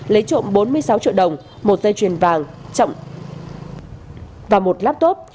lấy trộm bốn mươi sáu triệu đồng một dây chuyền vàng trọng và một laptop